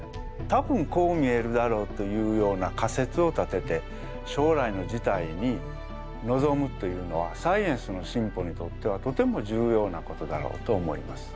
多分こう見えるだろうというような仮説を立てて将来の事態にのぞむというのはサイエンスの進歩にとってはとても重要なことだろうと思います。